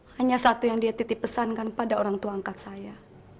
hanya satu yang dia titip pesankan pada orang tua angkat saya